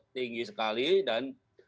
tinggi sekali dan